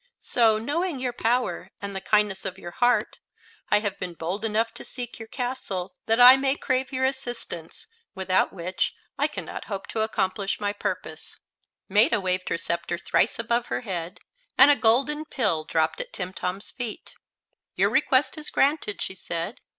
So, knowing your power and the kindness of your heart, I have been bold enough to seek your castle, that I might crave your assistance, without which I can not hope to accomplish my purpose." Maetta waved her scepter thrice above her head, and a golden pill dropped at Timtom's feet. "Your request is granted," she said.